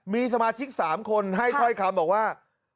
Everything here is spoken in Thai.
มีสมาชิก๓คนให้ถ้อยคำบอกว่า